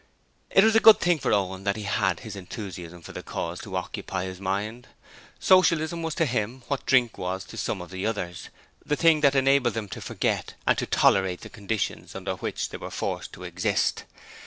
It was a good thing for Owen that he had his enthusiasm for 'the cause' to occupy his mind. Socialism was to him what drink was to some of the others the thing that enable them to forget and tolerate the conditions under which they were forced to exist.